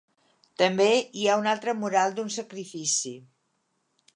També hi ha un altre mural d'un sacrifici.